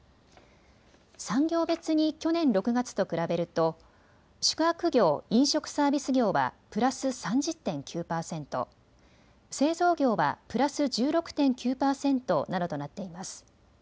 産業別に去年６月と比べると宿泊業・飲食サービス業はプラス３０．９％、製造業はプラス１６．９％などとなっています。